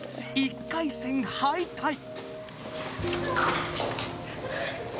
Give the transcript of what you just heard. ［１回戦敗退］